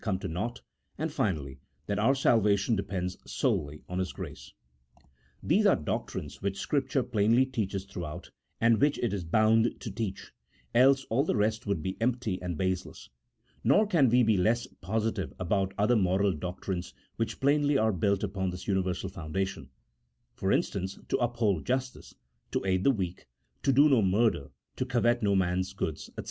173 come to naught, and, finally, that our salvation depends solely on His grace. These are doctrines which Scripture plainly teaches throughout, and which it is hound to teach, else all the rest would be empty and baseless ; nor can we be less posi tive about other moral doctrines, which plainly are built upon this universal foundation — for instance, to uphold justice, to aid the weak, to do no murder, to covet no man's goods, &c.